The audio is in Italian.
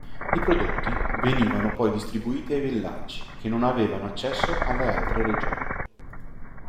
I prodotti venivano poi distribuiti ai villaggi che non avevano accesso alle altre regioni.